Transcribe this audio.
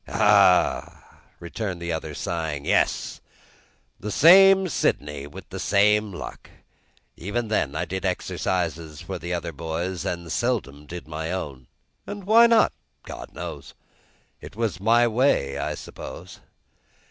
"Ah!" returned the other, sighing: "yes! The same Sydney, with the same luck. Even then, I did exercises for other boys, and seldom did my own." "And why not?" "God knows. It was my way, I suppose."